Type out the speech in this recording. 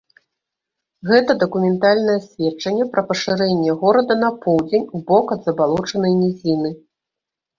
Гэта дакументальнае сведчанне пра пашырэнне горада на поўдзень, у бок ад забалочанай нізіны.